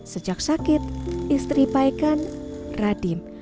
sejak sakit istri paekan radim